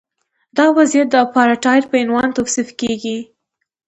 دا وضعیت د اپارټایډ په عنوان توصیف کیږي.